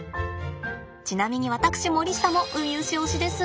ちなみに私森下もウミウシ推しです。